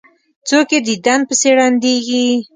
څوک یې دیدن پسې ړندیږي.